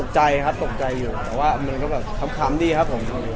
ใช่ครับ